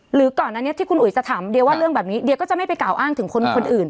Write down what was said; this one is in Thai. ก่อนอันนี้ที่คุณอุ๋ยจะถามเดียว่าเรื่องแบบนี้เดียก็จะไม่ไปกล่าวอ้างถึงคนอื่น